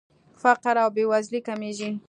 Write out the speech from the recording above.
فقر او بېوزلي کمیږي.